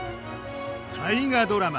大河ドラマ